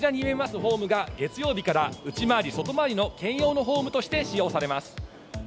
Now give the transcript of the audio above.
ホームが月曜日から内回り・外回りの兼用のホームとして使用されます。